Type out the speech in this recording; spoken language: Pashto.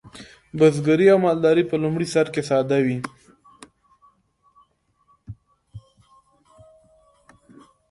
بزګري او مالداري په لومړي سر کې ساده وې.